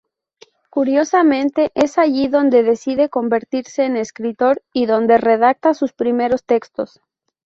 Curiosamente, es allí donde decide convertirse en escritor y donde redacta sus primeros textos.